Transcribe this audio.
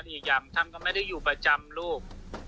อีกอย่างท่านก็ไม่ได้อยู่ประจำลูก